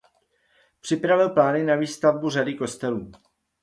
Připravil plány na výstavbu řady kostelů.